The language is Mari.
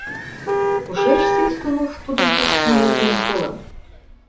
Кушеч Свистунов тудым пуштмо нерген колын?